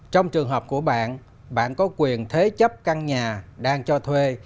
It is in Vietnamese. trong trường hợp của bạn bạn có quyền thế chấp căn nhà đang cho thuê